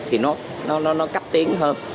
thì nó cấp tiến hơn